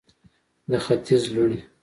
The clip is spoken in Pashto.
د ختیځ لوڼې